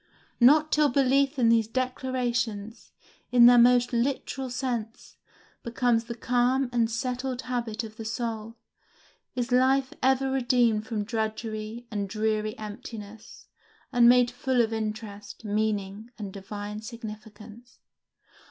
Not till belief in these declarations, in their most literal sense, becomes the calm and settled habit of the soul, is life ever redeemed from drudgery and dreary emptiness, and made full of interest, meaning, and divine significance.